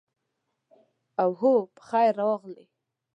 اوهو، پخیر راغلې.